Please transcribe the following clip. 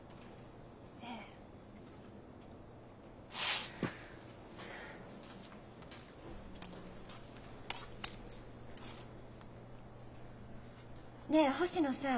ええ。ねえ星野さん。